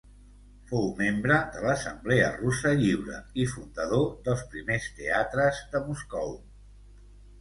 Fou membre de l'Assemblea russa lliure i fundador dels primers teatres de Moscou.